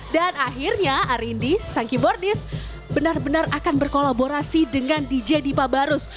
dan akhirnya arindi sang keyboardist benar benar akan berkolaborasi dengan dj dipa barus